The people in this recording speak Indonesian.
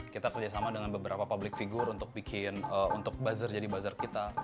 kita kerjasama dengan beberapa public figure untuk bikin untuk buzzer jadi buzzer kita